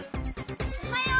・おはよう。